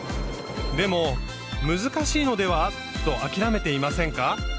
でも難しいのでは？と諦めていませんか？